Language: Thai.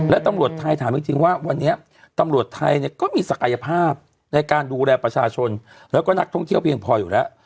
และตำรวจไทยถามจริงว่าวันนี้ตำรวจใดก็มีศักยภาพดูแลนักท่องเที่ยวเพียงพออยู่แล้ว